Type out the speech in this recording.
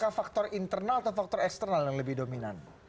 apakah faktor internal atau faktor eksternal yang lebih dominan